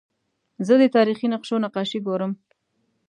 زه د تاریخي نقشو نقاشي ګورم.